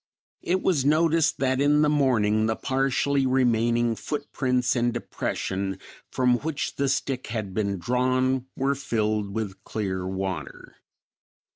It was noticed that in the morning the partially remaining foot prints and depression, from which the stick had been drawn, were filled with clear water.